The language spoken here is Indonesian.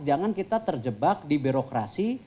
jangan kita terjebak di birokrasi